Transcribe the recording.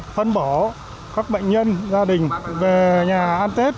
phân bổ các bệnh nhân gia đình về nhà ăn tết